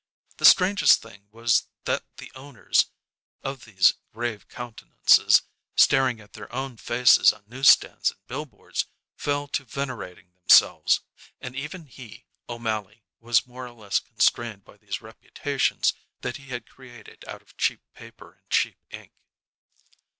The strangest thing was that the owners of these grave countenances, staring at their own faces on newsstands and billboards, fell to venerating themselves; and even he, O'Mally, was more or less constrained by these reputations that he had created out of cheap paper and cheap ink.